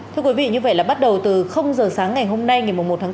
thưa quý vị như vậy là bắt đầu từ giờ sáng ngày hôm nay ngày một tháng bốn